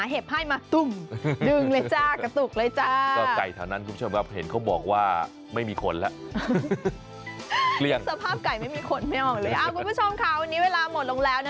โหยอกนิ้ด